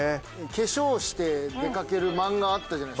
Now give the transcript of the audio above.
化粧して出かけるマンガあったじゃないですか。